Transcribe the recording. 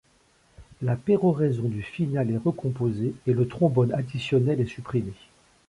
La péroraison du Finale est recomposée et le trombone additionnel est supprimé.